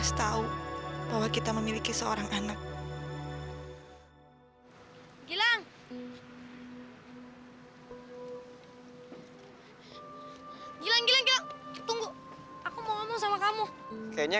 sampai jumpa di video selanjutnya